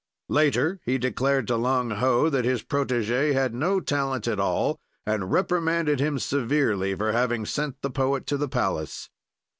"Later, he declared to Lang Ho that his protégé had no talent at all, and reprimanded him severely for having sent the poet to the palace.